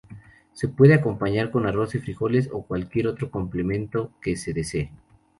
Se puede acompañar con arroz y frijoles, o cualquier otro complemento que se desee.